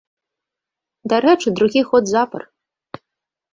Дарэчы, другі год запар.